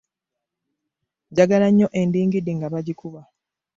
Njagala nyo endingidi nga bagikuba.